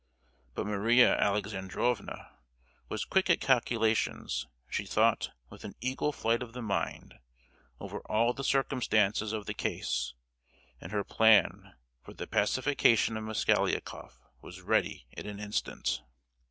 But Maria Alexandrovna was quick at calculations: she thought, with an eagle flight of the mind, over all the circumstances of the case, and her plan for the pacification of Mosgliakoff was ready in an instant!